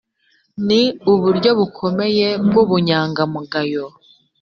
ni uburyo buboneye bw ubunyangamugayo